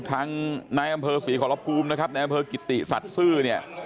ทางนายอำเภอศรีขอรภูมินะครับในอำเภอกิติสัตว์ซื่อเนี่ย